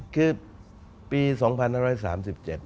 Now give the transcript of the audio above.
คือปี๒๙๓๗เดิม